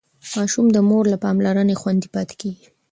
ماشوم د مور له پاملرنې خوندي پاتې کېږي.